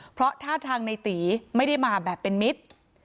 เพราะท่าทางในตีไม่ได้มาแบบเป็นมิตร